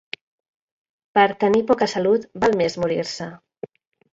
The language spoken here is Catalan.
Per tenir poca salut val més morir-se.